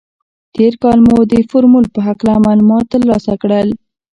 تېر کال مو د فورمول په هکله معلومات تر لاسه کړل.